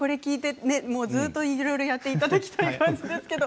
ずっとやっていただきたい感じですけれど。